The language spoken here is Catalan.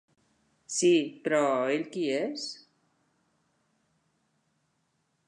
Sí, però ell qui és?